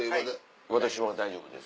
私は大丈夫です。